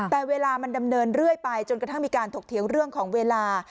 แต่เวลามันดำเนินเรื่อยไปจนกระทั่งมีการถกเถียงเรื่องของเวลา